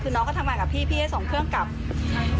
คือน้องก็ทำงานกับพี่พี่ให้ส่งเครื่องแล้วกลับ